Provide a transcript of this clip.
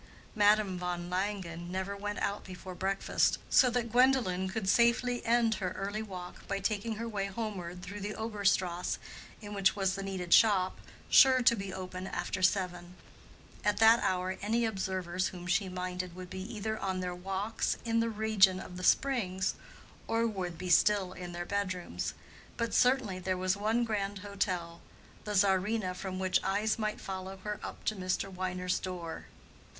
Madame von Langen never went out before breakfast, so that Gwendolen could safely end her early walk by taking her way homeward through the Obere Strasse in which was the needed shop, sure to be open after seven. At that hour any observers whom she minded would be either on their walks in the region of the springs, or would be still in their bedrooms; but certainly there was one grand hotel, the Czarina from which eyes might follow her up to Mr. Wiener's door.